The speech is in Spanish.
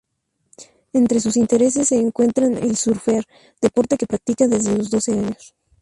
Entre sus intereses se encuentran el surfear, deporte que practica desde los doce años.